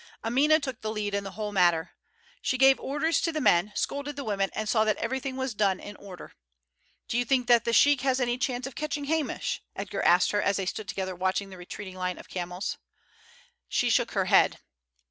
Amina took the lead in the whole matter. She gave orders to the men, scolded the women, and saw that everything was done in order. "Do you think that the sheik has any chance of catching Hamish?" Edgar asked her as they stood together watching the retreating line of camels. She shook her head.